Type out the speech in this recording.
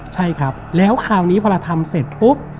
ใช่ครับแล้วคราวนี้พอเราทำเสร็จปุ๊บ